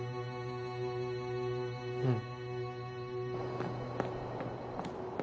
うん。